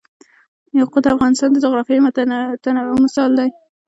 یاقوت د افغانستان د جغرافیوي تنوع مثال دی.